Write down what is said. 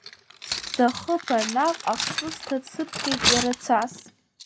Дахыԥан наҟ ахҵысҭа, дсыԥхьеит иара цас.